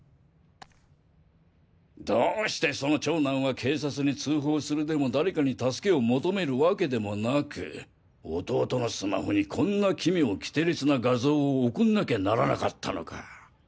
どうしてその長男は警察に通報するでも誰かに助けを求めるわけでもなく弟のスマホにこんな奇妙キテレツな画像を送んなきゃならなかったのか。